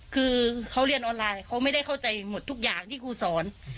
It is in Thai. คือเขาเรียนออนไลน์เขาไม่ได้เข้าใจหมดทุกอย่างที่ครูสอน